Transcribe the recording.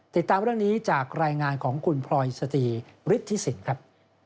ติดตามเรื่องนี้จากรายงานของคุณพลอยสตรีฤทธิสินครับ